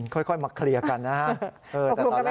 ค่อยมาเคลียร์กันนะฮะ